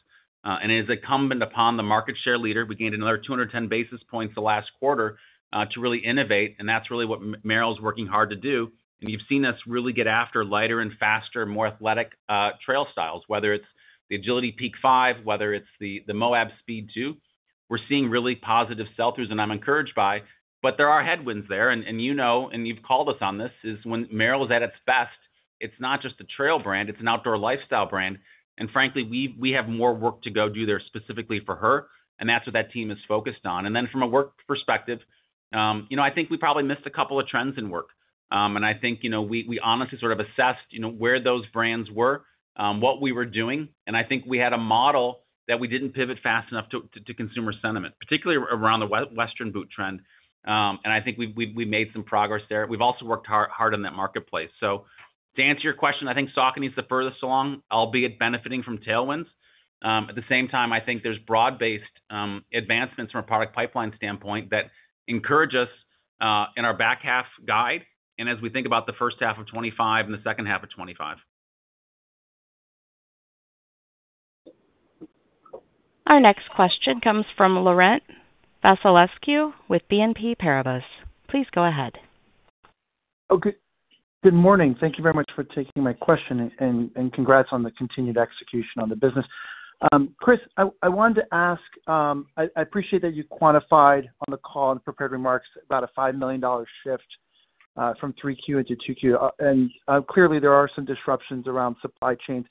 And it is incumbent upon the market share leader. We gained another 210 basis points the last quarter, to really innovate, and that's really what Merrell's working hard to do. And you've seen us really get after lighter and faster, more athletic, trail styles, whether it's the Agility Peak 5, whether it's the Moab Speed 2. We're seeing really positive sell-throughs, and I'm encouraged by, but there are headwinds there, and you know, and you've called us on this, is when Merrell is at its best, it's not just a trail brand, it's an outdoor lifestyle brand. And frankly, we have more work to go do there specifically for her, and that's what that team is focused on. And then from a work perspective, you know, I think we probably missed a couple of trends in work. And I think, you know, we honestly sort of assessed, you know, where those brands were, what we were doing, and I think we had a model that we didn't pivot fast enough to consumer sentiment, particularly around the western boot trend. And I think we've made some progress there. We've also worked hard in that marketplace. So to answer your question, I think Saucony is the furthest along, albeit benefiting from tailwinds. At the same time, I think there's broad-based advancements from a product pipeline standpoint that encourage us in our back half guide, and as we think about the first half of 2025 and the second half of 2025. Our next question comes from Laurent Vasilescu with BNP Paribas. Please go ahead. Oh, good, good morning. Thank you very much for taking my question, and congrats on the continued execution on the business. Chris, I wanted to ask. I appreciate that you quantified on the call and prepared remarks about a $5 million shift from 3Q into 2Q. Clearly there are some disruptions around supply chain.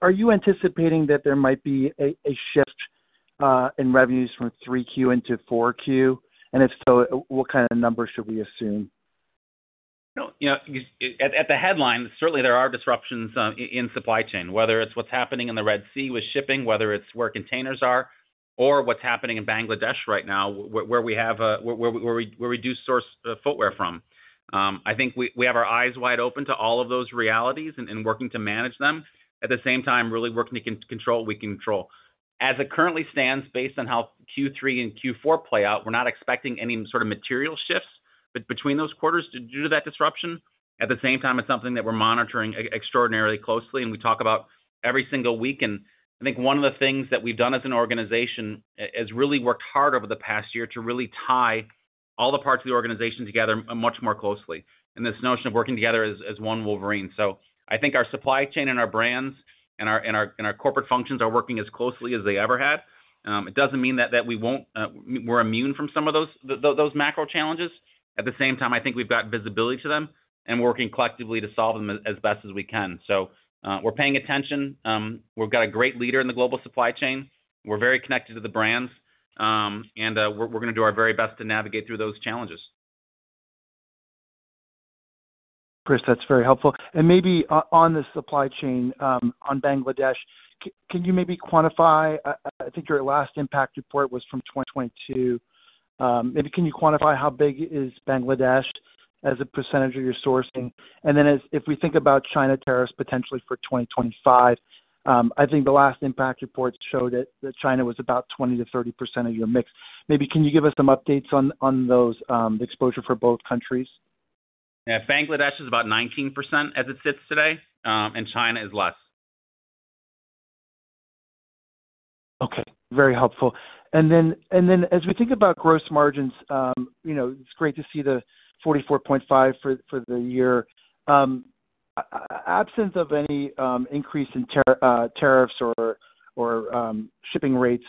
Are you anticipating that there might be a shift in revenues from 3Q into 4Q? And if so, what kind of numbers should we assume? You know, at the headline, certainly there are disruptions in supply chain, whether it's what's happening in the Red Sea with shipping, whether it's where containers are, or what's happening in Bangladesh right now, where we do source footwear from. I think we have our eyes wide open to all of those realities and working to manage them. At the same time, really working to control what we control. As it currently stands, based on how Q3 and Q4 play out, we're not expecting any sort of material shifts.... but between those quarters due to that disruption. At the same time, it's something that we're monitoring extraordinarily closely, and we talk about every single week. And I think one of the things that we've done as an organization is really worked hard over the past year to really tie all the parts of the organization together much more closely, and this notion of working together as one Wolverine. So I think our supply chain and our brands and our corporate functions are working as closely as they ever have. It doesn't mean that we won't, we're immune from some of those macro challenges. At the same time, I think we've got visibility to them and working collectively to solve them as best as we can. So, we're paying attention. We've got a great leader in the global supply chain. We're very connected to the brands, and we're gonna do our very best to navigate through those challenges. Chris, that's very helpful. And maybe on the supply chain, on Bangladesh, can you maybe quantify? I think your last impact report was from 2022. Maybe can you quantify how big is Bangladesh as a percentage of your sourcing? And then if we think about China tariffs potentially for 2025, I think the last impact report showed that China was about 20%-30% of your mix. Maybe can you give us some updates on those, the exposure for both countries? Yeah. Bangladesh is about 19% as it sits today, and China is less. Okay, very helpful. And then as we think about gross margins, you know, it's great to see the 44.5% for the year. In the absence of any increase in tariffs or shipping rates,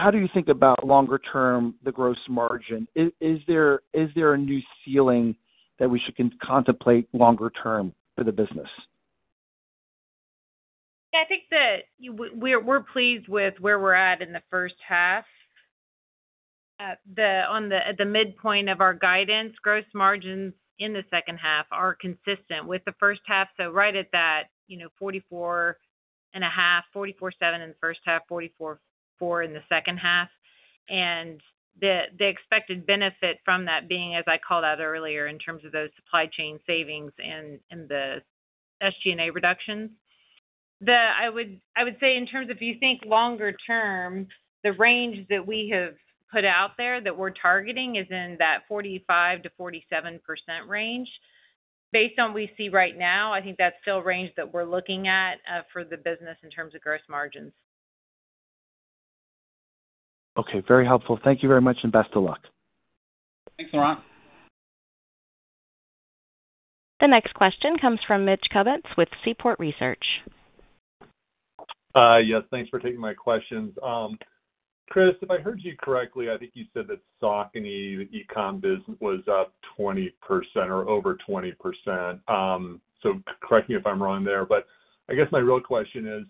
how do you think about longer term the gross margin? Is there a new ceiling that we should contemplate longer term for the business? Yeah, I think that we're pleased with where we're at in the first half. At the midpoint of our guidance, gross margins in the second half are consistent with the first half. So right at that, you know, 44.5, 44.7 in the first half, 44.4 in the second half. And the expected benefit from that being, as I called out earlier, in terms of those supply chain savings and the SG&A reductions. I would say in terms, if you think longer term, the range that we have put out there that we're targeting is in that 45%-47% range. Based on we see right now, I think that's still range that we're looking at for the business in terms of gross margins. Okay, very helpful. Thank you very much, and best of luck. Thanks, Laurent. The next question comes from Mitch Kummetz with Seaport Research Partners. Yes, thanks for taking my questions. Chris, if I heard you correctly, I think you said that Saucony, the e-com business was up 20% or over 20%. So correct me if I'm wrong there. But I guess my real question is,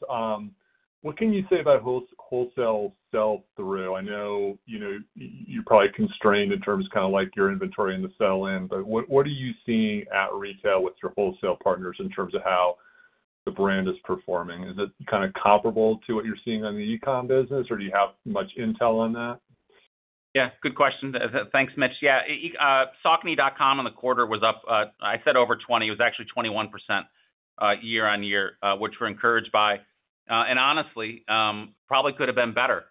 what can you say about wholesale sell-through? I know, you know, you're probably constrained in terms of kind of like your inventory and the sell-in, but what are you seeing at retail with your wholesale partners in terms of how the brand is performing? Is it kind of comparable to what you're seeing on the e-com business, or do you have much intel on that? Yeah, good question. Thanks, Mitch. Yeah, saucony.com on the quarter was up. I said over 20, it was actually 21%, year-on-year, which we're encouraged by. And honestly, probably could have been better.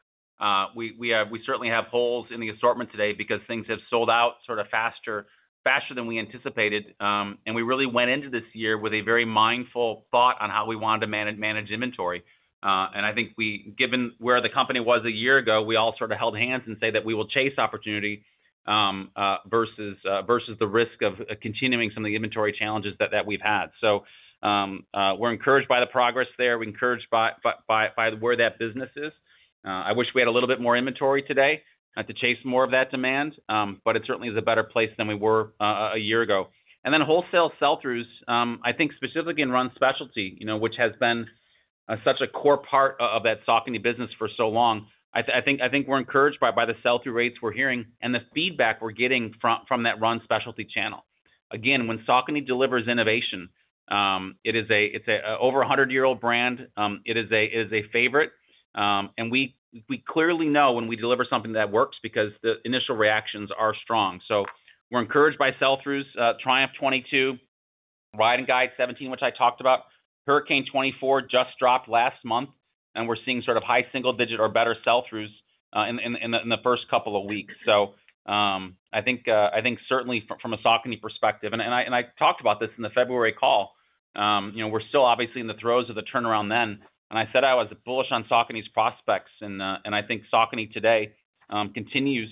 We certainly have holes in the assortment today because things have sold out sort of faster than we anticipated. And we really went into this year with a very mindful thought on how we wanted to manage inventory. And I think, given where the company was a year ago, we all sort of held hands and say that we will chase opportunity versus the risk of continuing some of the inventory challenges that we've had. So, we're encouraged by the progress there. We're encouraged by where that business is. I wish we had a little bit more inventory today to chase more of that demand, but it certainly is a better place than we were a year ago. And then wholesale sell-throughs, I think specifically in Run Specialty, you know, which has been such a core part of that Saucony business for so long. I think we're encouraged by the sell-through rates we're hearing and the feedback we're getting from that Run Specialty channel. Again, when Saucony delivers innovation, it is a, it's a over a hundred-year-old brand. It is a favorite, and we clearly know when we deliver something that works because the initial reactions are strong. So we're encouraged by sell-throughs, Triumph 22, Ride and Guide 17, which I talked about. Hurricane 24 just dropped last month, and we're seeing sort of high single-digit or better sell-throughs in the first couple of weeks. So, I think certainly from a Saucony perspective, and I talked about this in the February call. You know, we're still obviously in the throes of the turnaround then, and I said I was bullish on Saucony's prospects, and I think Saucony today continues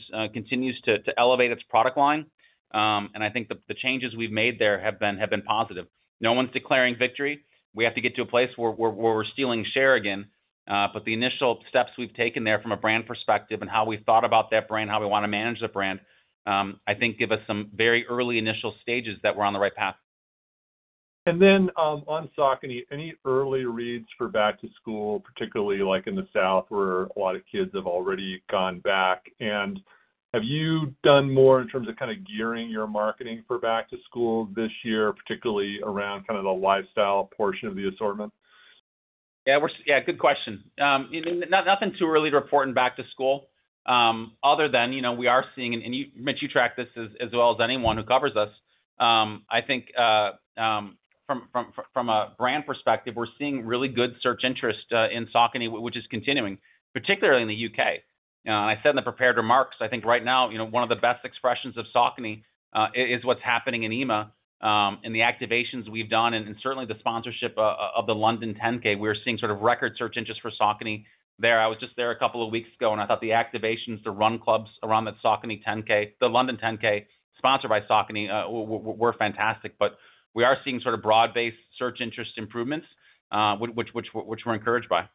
to elevate its product line. And I think the changes we've made there have been positive. No one's declaring victory. We have to get to a place where we're stealing share again. But the initial steps we've taken there from a brand perspective and how we've thought about that brand, how we wanna manage the brand, I think, give us some very early initial stages that we're on the right path. And then, on Saucony, any early reads for back to school, particularly like in the South, where a lot of kids have already gone back? And have you done more in terms of kind of gearing your marketing for back to school this year, particularly around kind of the lifestyle portion of the assortment? Yeah, good question. Nothing too early to report in back to school, other than, you know, we are seeing, and you, Mitch, you track this as well as anyone who covers us. I think from a brand perspective, we're seeing really good search interest in Saucony, which is continuing, particularly in the UK. I said in the prepared remarks, I think right now, you know, one of the best expressions of Saucony is what's happening in EMEA, and the activations we've done, and certainly the sponsorship of the London 10K. We're seeing sort of record search interest for Saucony there. I was just there a couple of weeks ago, and I thought the activations, the run clubs around that Saucony 10K, the London 10K, sponsored by Saucony, were fantastic. But we are seeing sort of broad-based search interest improvements, which we're encouraged by.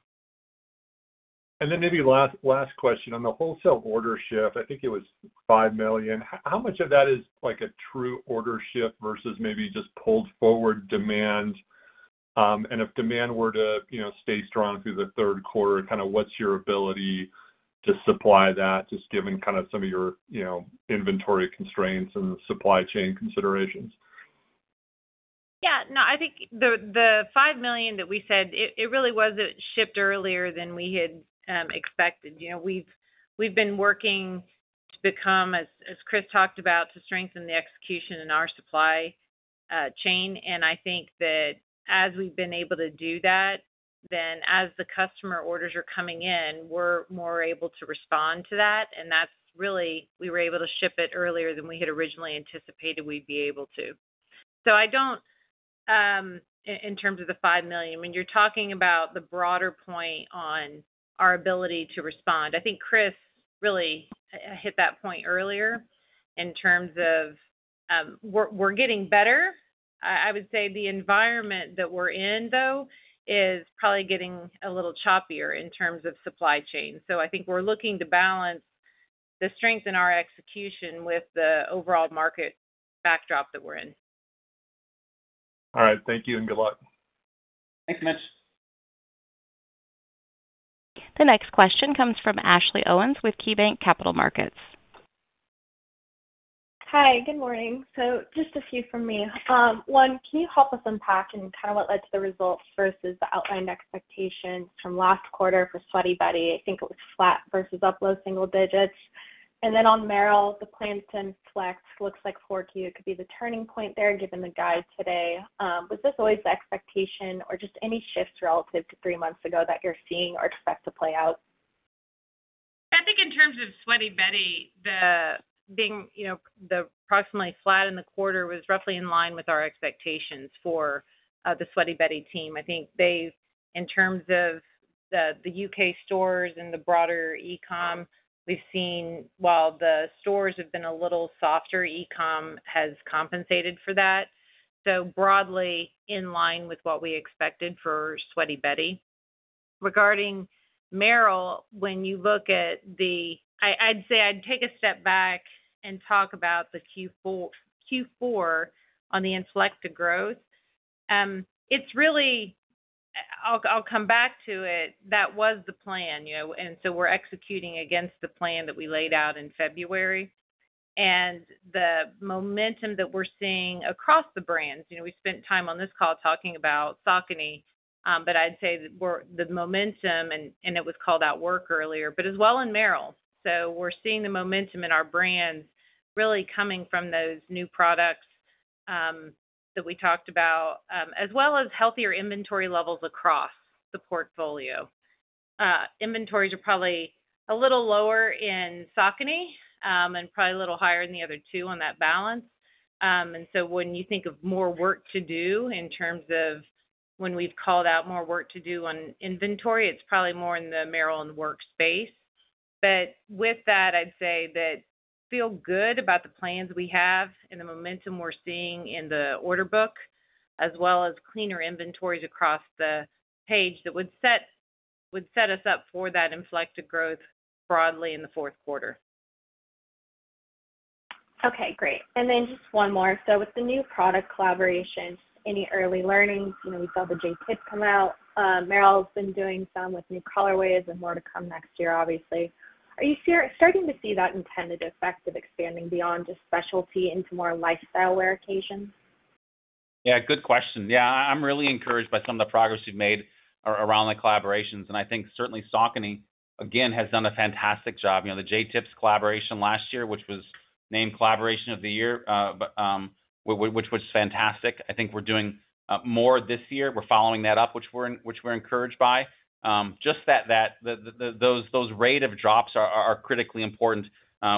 Then maybe last question. On the wholesale order shift, I think it was $5 million. How much of that is like a true order shift versus maybe just pulled forward demand? And if demand were to, you know, stay strong through the third quarter, kinda what's your ability to supply that, just given kind of some of your, you know, inventory constraints and supply chain considerations? Yeah. No, I think the, the $5 million that we said, it, it really was shipped earlier than we had expected. You know, we've, we've been working to become, as, as Chris talked about, to strengthen the execution in our supply chain. And I think that as we've been able to do that, then as the customer orders are coming in, we're more able to respond to that, and that's really, we were able to ship it earlier than we had originally anticipated we'd be able to. So I don't in terms of the $5 million, when you're talking about the broader point on our ability to respond, I think Chris really hit that point earlier in terms of, we're, we're getting better. I, I would say the environment that we're in, though, is probably getting a little choppier in terms of supply chain. I think we're looking to balance the strength in our execution with the overall market backdrop that we're in. All right. Thank you, and good luck. Thanks, Mitch. The next question comes from Ashley Owens with KeyBanc Capital Markets. Hi, good morning. Just a few from me. One, can you help us unpack and kind of what led to the results versus the outlined expectations from last quarter for Sweaty Betty? I think it was flat versus up low single digits. And then on Merrell, the plan to inflect looks like 4Q could be the turning point there, given the guide today. Was this always the expectation or just any shifts relative to three months ago that you're seeing or expect to play out? I think in terms of Sweaty Betty, the being, you know, the approximately flat in the quarter was roughly in line with our expectations for the Sweaty Betty team. I think they've, in terms of the, the UK stores and the broader e-com, we've seen while the stores have been a little softer, e-com has compensated for that, so broadly in line with what we expected for Sweaty Betty. Regarding Merrell, when you look at the... I'd say I'd take a step back and talk about the Q4, Q4 on the inflected growth. It's really, I'll, I'll come back to it. That was the plan, you know, and so we're executing against the plan that we laid out in February. The momentum that we're seeing across the brands, you know, we spent time on this call talking about Saucony, but I'd say that the momentum, and it was called out earlier, but as well in Merrell. So we're seeing the momentum in our brands really coming from those new products that we talked about, as well as healthier inventory levels across the portfolio. Inventories are probably a little lower in Saucony, and probably a little higher in the other two on that balance. And so when you think of more work to do in terms of when we've called out more work to do on inventory, it's probably more in the Merrell and Wolverine. With that, I'd say that feel good about the plans we have and the momentum we're seeing in the order book, as well as cleaner inventories across the page that would set us up for that inflected growth broadly in the fourth quarter. Okay, great. And then just one more. So with the new product collaborations, any early learnings? You know, we saw the Jae Tips come out. Merrell's been doing some with new colorways and more to come next year, obviously. Are you starting to see that intended effect of expanding beyond just specialty into more lifestyle wear occasions? Yeah, good question. Yeah, I, I'm really encouraged by some of the progress we've made around the collaborations, and I think certainly Saucony, again, has done a fantastic job. You know, the Jae Tips collaboration last year, which was named Collaboration of the Year, which was fantastic. I think we're doing more this year. We're following that up, which we're encouraged by. Just that, the those rate of drops are critically important.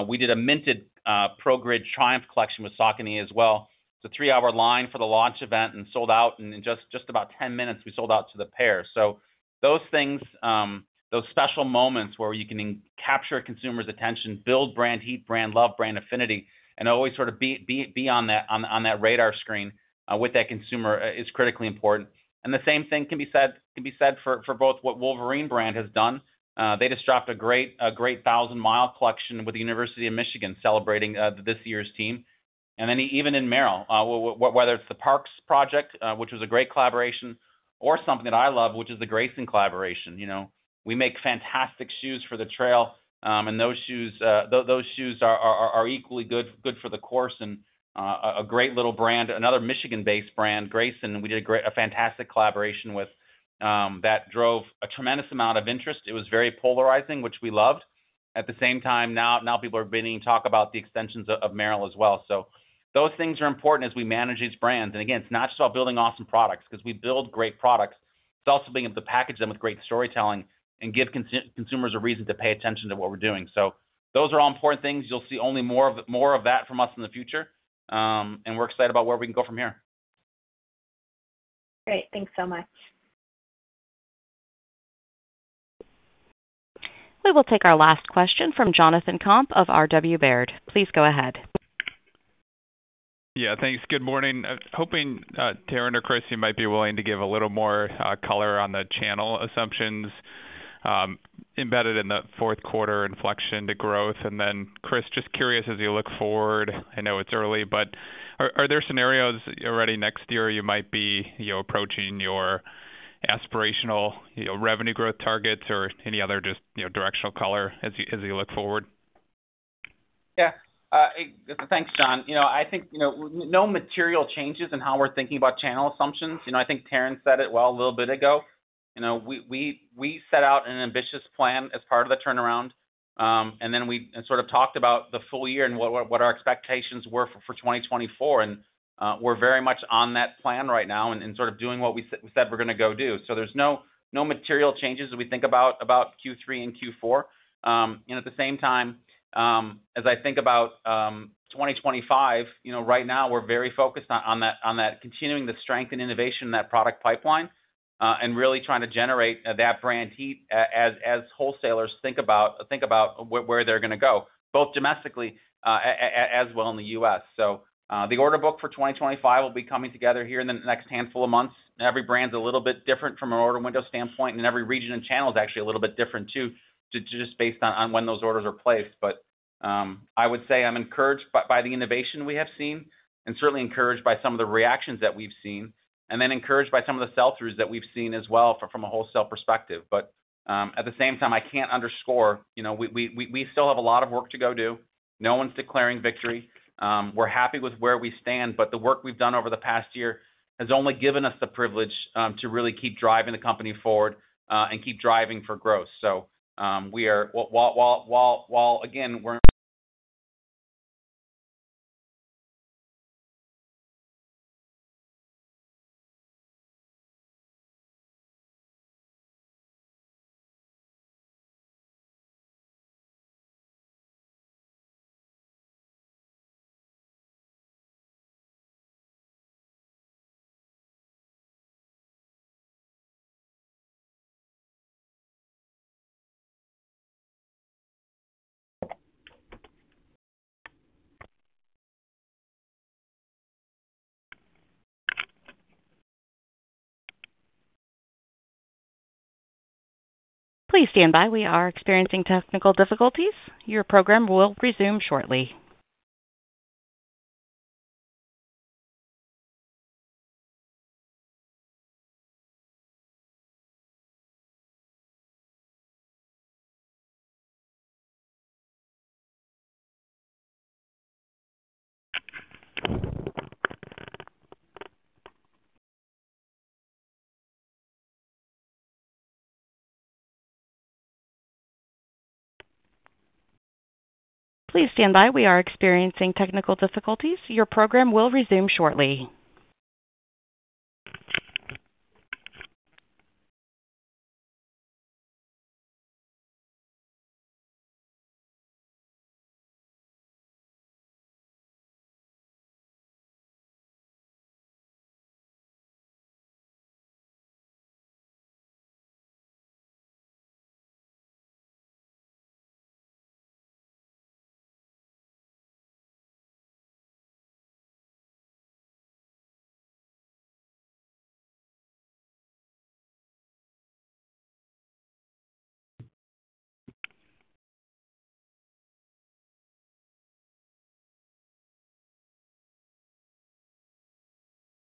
We did a Minted ProGrid Triumph collection with Saucony as well. It's a three-hour line for the launch event and sold out, and in just about 10 minutes, we sold out to the pair. So those things, those special moments where you can capture a consumer's attention, build brand heat, brand love, brand affinity, and always sort of be, be, be on that- on, on that radar screen, with that consumer, is critically important. And the same thing can be said, can be said for, for both what Wolverine brand has done. They just dropped a great, a great 1000 Mile collection with the University of Michigan, celebrating this year's team. And then even in Merrell, whether it's the Parks Project, which was a great collaboration, or something that I love, which is the Greyson collaboration, you know. We make fantastic shoes for the trail, and those shoes are equally good for the course and a great little brand, another Michigan-based brand, Greyson, we did a fantastic collaboration with that drove a tremendous amount of interest. It was very polarizing, which we loved. At the same time, people are beginning to talk about the extensions of Merrell as well. So those things are important as we manage these brands. And again, it's not just about building awesome products, because we build great products. It's also being able to package them with great storytelling and give consumers a reason to pay attention to what we're doing. So those are all important things. You'll see only more of that from us in the future, and we're excited about where we can go from here. Great. Thanks so much. We will take our last question from Jonathan Komp of RW Baird. Please go ahead. Yeah, thanks. Good morning. I was hoping, Taryn or Chris, you might be willing to give a little more color on the channel assumptions embedded in the fourth quarter inflection to growth. And then, Chris, just curious, as you look forward, I know it's early, but are, are there scenarios already next year you might be, you know, approaching your aspirational, you know, revenue growth targets or any other just, you know, directional color as you, as you look forward? Yeah. Thanks, John. You know, I think, you know, no material changes in how we're thinking about channel assumptions. You know, I think Taryn said it well a little bit ago. You know, we set out an ambitious plan as part of the turnaround, and then sort of talked about the full year and what our expectations were for 2024, and we're very much on that plan right now and sort of doing what we said we're gonna go do. So there's no material changes as we think about Q3 and Q4. And at the same time, as I think about 2025, you know, right now we're very focused on that, continuing the strength and innovation in that product pipeline, and really trying to generate that brand heat as wholesalers think about where they're gonna go, both domestically, as well in the U.S. So, the order book for 2025 will be coming together here in the next handful of months. Every brand's a little bit different from an order window standpoint, and every region and channel is actually a little bit different, too, just based on when those orders are placed. But I would say I'm encouraged by the innovation we have seen and certainly encouraged by some of the reactions that we've seen, and then encouraged by some of the sell-throughs that we've seen as well from a wholesale perspective. But at the same time, I can't underscore, you know, we still have a lot of work to go do. No one's declaring victory. We're happy with where we stand, but the work we've done over the past year has only given us the privilege to really keep driving the company forward and keep driving for growth. So we are... While, again, we're- Please stand by. We are experiencing technical difficulties. Your program will resume shortly. Please stand by. We are experiencing technical difficulties. Your program will resume shortly.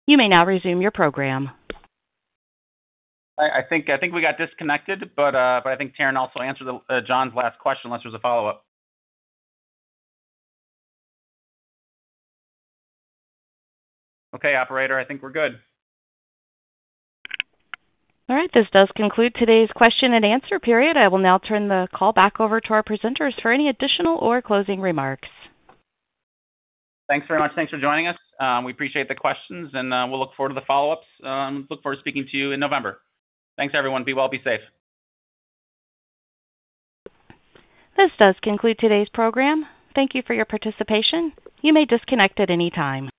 You may now resume your program. I think we got disconnected, but I think Taryn also answered John's last question, unless there's a follow-up. Okay, operator, I think we're good. All right. This does conclude today's question and answer period. I will now turn the call back over to our presenters for any additional or closing remarks. Thanks very much. Thanks for joining us. We appreciate the questions, and we'll look forward to the follow-ups. Look forward to speaking to you in November. Thanks, everyone. Be well, be safe. This does conclude today's program. Thank you for your participation. You may disconnect at any time.